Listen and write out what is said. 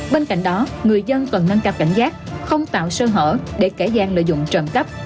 bên cạnh đó người dân cần nâng cấp cảnh giác không tạo sơ hở để kẻ gian lợi dụng trầm cấp